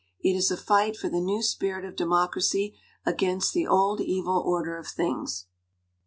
It is a fight for the new spirit of democracy against the old evil order of things.